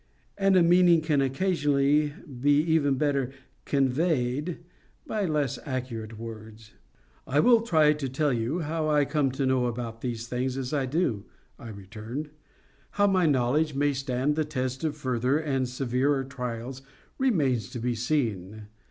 And a meaning can occasionally be even better CONVEYED by less accurate words. "I will try to tell you how I come to know about these things as I do," I returned. "How my knowledge may stand the test of further and severer trials remains to be seen.